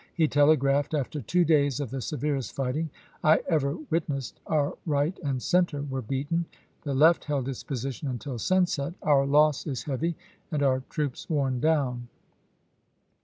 He telegraphed : "After two days of the severest fighting I ever witnessed, our right and center were beaten. The left held its position until sunset. Our loss is heavy and our troops worn down."